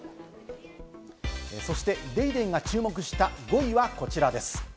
そして『ＤａｙＤａｙ．』が注目した５位はこちらです。